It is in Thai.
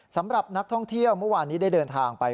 สำหรับนักท่องเที่ยวเมื่อวานนี้ได้เดินทางไป